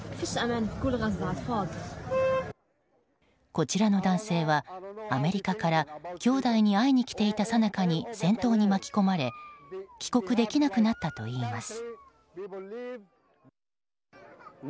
こちらの男性はアメリカから兄弟に会いに来ていたさなかに戦闘に巻き込まれ帰国できなくなったといいます。